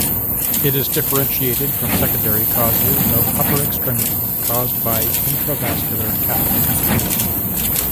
It is differentiated from secondary causes of upper extremity caused by intravascular catheters.